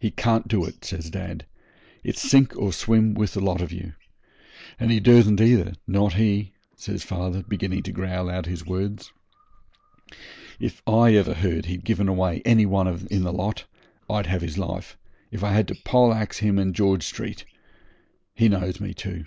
'He can't do it,' says dad; 'it's sink or swim with the lot of you. And he dursn't either, not he,' says father, beginning to growl out his words. 'If I ever heard he'd given away any one in the lot I'd have his life, if I had to poleaxe him in George Street. He knows me too.'